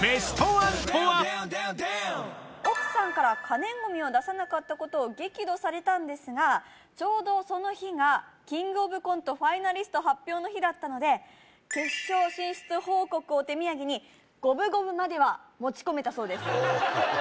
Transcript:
あれ奥さんから可燃ゴミを出さなかったことを激怒されたんですがちょうどその日がキングオブコントファイナリスト発表の日だったので決勝進出報告を手土産に五分五分までは持ち込めたそうです